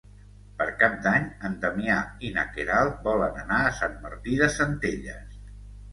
Per Cap d'Any en Damià i na Queralt volen anar a Sant Martí de Centelles.